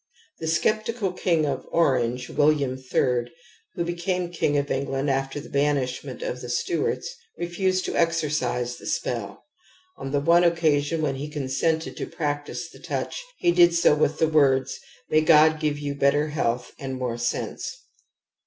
The sceptical ^ king of Orange, WilUam III, who became king of England after the banislnnent of the Stuarts, refused to exercise the spell ; on the one occasion when he consented to practise the touch, he did so with words :" May God give you better health and more sense".